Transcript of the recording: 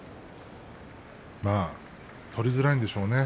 取りづらいんでしょうね